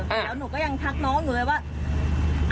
แล้วหนูก็ยังทักน้องหนูเลยว่า